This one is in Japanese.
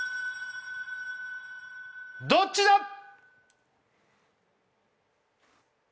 どっちだ！？